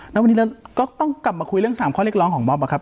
วันนี้เราก็ต้องกลับมาคุยเรื่อง๓ข้อเล็กร้องของมอบ